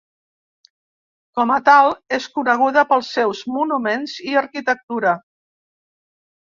Com a tal, és coneguda pels seus monuments i arquitectura.